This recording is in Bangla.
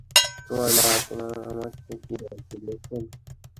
তোমার মা আমাকে, এই দায়িত্ব দিয়েছেন।